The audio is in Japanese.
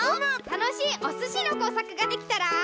たのしいおすしのこうさくができたら。